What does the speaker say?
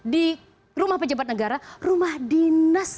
di rumah pejabat negara rumah dinas